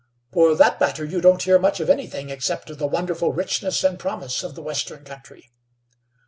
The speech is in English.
"For that matter, you don't hear much of anything, except of the wonderful richness and promise of the western country."